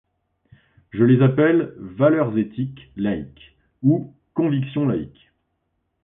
Je les appelle valeurs éthiques laïques, ou convictions laïques.